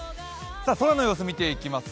空の様子、見ていきます。